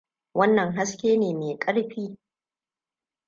Wannan haske ne mai ƙarfi.